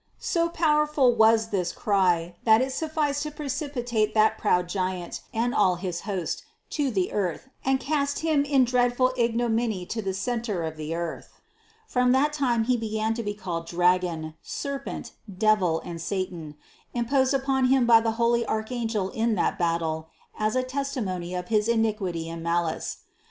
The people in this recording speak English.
So powerful was this cry, that it sufficed to precipitate that proud giant and all his host to the earth and cast him in dreadful ignominy to the centre of the earth. From that time he began to be called dragon, serpent, devil and satan, imposed upon him by the holy archangel in that battle as a testimony of his iniquity and malice.